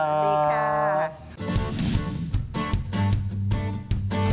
สวัสดีค่ะ